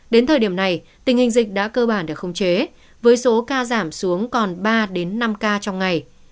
đến thời điểm này tình hình dịch đã cơ bản được khống chế với số ca giảm xuống còn ba năm ca trong ngày